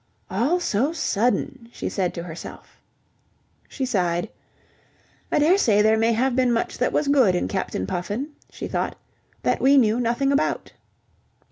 "All so sudden," she said to herself. She sighed. "I daresay there may have been much that was good in Captain Puffin," she thought, "that we knew nothing about."